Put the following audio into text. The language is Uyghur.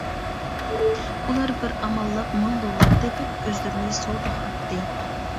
ئۇلار بىر ئاماللاپ مىڭ دوللار تېپىپ، ئۆزلىرىنى سودىغا ئاتتى.